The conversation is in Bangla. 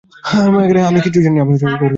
আমি কিছুই জানি না।